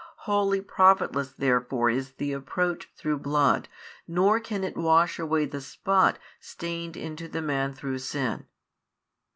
Wholly profitless therefore is the approach through blood nor can it wash away the spot stained into the man through sin.